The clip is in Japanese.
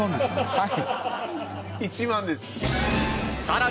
はい！